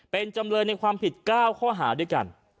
เป็นจำเลยในความผิด๙ข้อหาด้วยกัน